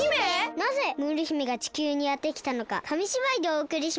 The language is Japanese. なぜムール姫が地球にやってきたのかかみしばいでおおくりします。